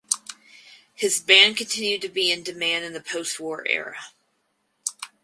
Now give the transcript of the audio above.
His band continued to be in demand in the postwar era.